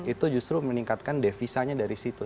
itu justru meningkatkan devisanya dari situ